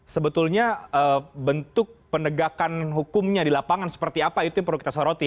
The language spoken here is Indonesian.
sebetulnya bentuk penegakan hukumnya di lapangan seperti apa itu yang perlu kita soroti